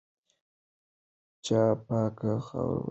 چا پاکه خاوره وژغورله؟